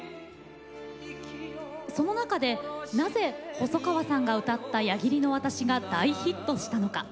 その中で、なぜ細川さんが歌った「矢切の渡し」が大ヒットしたのか。